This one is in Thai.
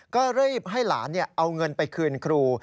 ก็รีบให้หลานเอาเงินไปคืนครู